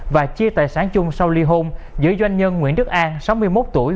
và chia tài sản chung sau ly hôn giữa doanh nhân nguyễn đức an sáu mươi một tuổi